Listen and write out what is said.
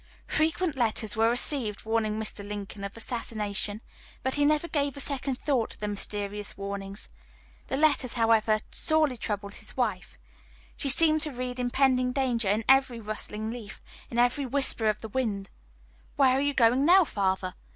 Frequent letters were received warning Mr. Lincoln of assassination, but he never gave a second thought to the mysterious warnings. The letters, however, sorely troubled his wife. She seemed to read impending danger in every rustling leaf, in every whisper of the wind. "Where are you going now, father?"